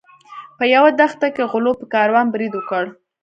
په یوه دښته کې غلو په کاروان برید وکړ.